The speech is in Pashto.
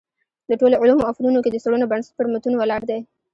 د ټولو علومو او فنونو کي د څېړنو بنسټ پر متونو ولاړ دﺉ.